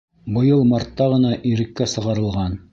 Быйыл мартта ғына иреккә сығарылған.